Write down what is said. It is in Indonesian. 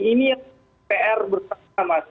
ini pr bertugas